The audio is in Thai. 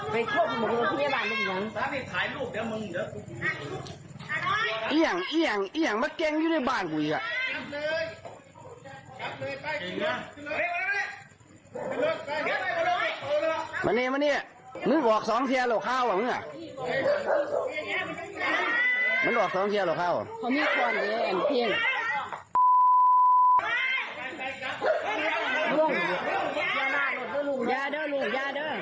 มันเนียมันเนีย